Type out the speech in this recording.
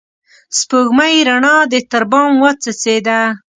سپوږمۍ روڼا دي تر بام وڅڅيده